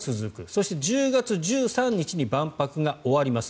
そして１０月１３日に万博が終わります。